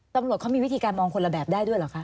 ตำรวจเขามีวิธีการมองคนละแบบได้ด้วยเหรอคะ